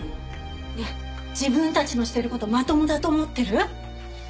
ねえ自分たちのしてる事まともだと思ってる？